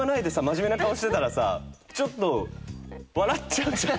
真面目な顔してたらさちょっと笑っちゃうじゃん。